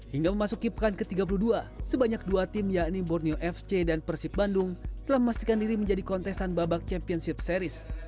hingga memasuki pekan ke tiga puluh dua sebanyak dua tim yakni borneo fc dan persib bandung telah memastikan diri menjadi kontestan babak championship series